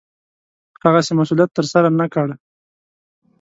هغسې مسوولت ترسره نه کړ.